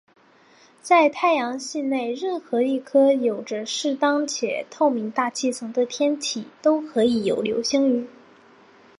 在太阳系内任何一颗有着适当且透明大气层的天体都可以有流星雨。